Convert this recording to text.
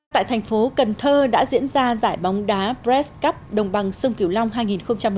tại thành phố cần thơ đã diễn ra giải bóng đá press cup đồng bằng sông kiểu long hai nghìn một mươi tám